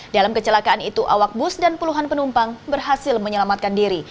dalam kecelakaan itu awak bus dan puluhan penumpang berhasil menyelamatkan diri